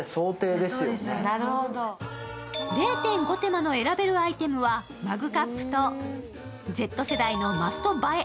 ０．５手間の選べるアイテムは、マグカップとＺ世代のマスト映え